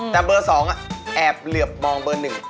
แต่เบอร์๒แอบเหลือบมองเบอร์หนึ่ง